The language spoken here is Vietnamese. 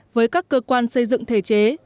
với các cơ quan xây dựng thể chế